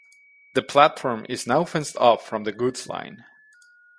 The platform is now fenced off from the goods line.